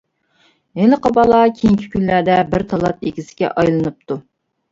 ھېلىقى بالا كېيىنكى كۈنلەردە بىر تالانت ئىگىسىگە ئايلىنىپتۇ.